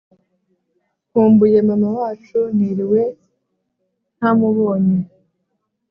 Nkumbuye mama wacu niriwe ntamubonye